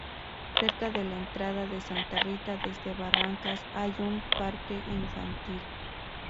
Cerca de la entrada de Santa Rita desde Barrancas, hay un parque infantil.